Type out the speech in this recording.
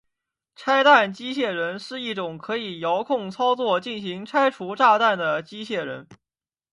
拆弹机械人是一种可以遥控操作进行拆除炸弹的机械人。